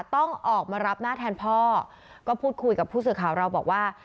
ต้องออกมารับหน้าแทนพ่อก็พูดคุยกับผู้สื่อข่าวเราบอกว่า